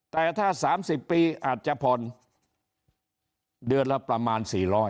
แต่ถ้า๓๐ปีอาจจะผ่อนเดือนละประมาณ๔๐๐